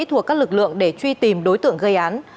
thuộc các lực lượng để truy tìm đối tượng gây án